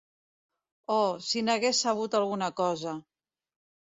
Oh, si n'hagués sabut alguna cosa!